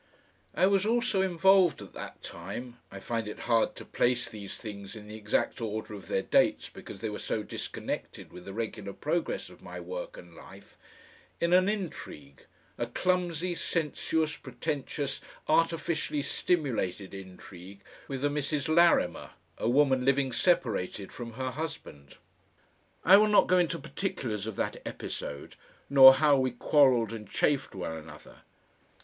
I was also involved at that time I find it hard to place these things in the exact order of their dates because they were so disconnected with the regular progress of my work and life in an intrigue, a clumsy, sensuous, pretentious, artificially stimulated intrigue, with a Mrs. Larrimer, a woman living separated from her husband. I will not go into particulars of that episode, nor how we quarrelled and chafed one another.